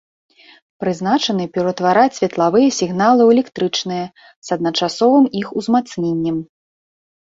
Прызначаны пераўтвараць светлавыя сігналы ў электрычныя з адначасовым іх узмацненнем.